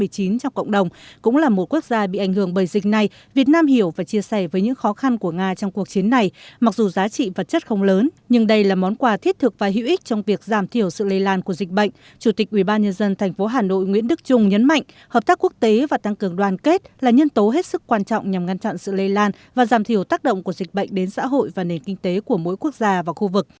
chủ tịch ubnd tp hà nội nguyễn đức trung nhấn mạnh hợp tác quốc tế và tăng cường đoàn kết là nhân tố hết sức quan trọng nhằm ngăn chặn sự lây lan và giảm thiểu tác động của dịch bệnh đến xã hội và nền kinh tế của mỗi quốc gia và khu vực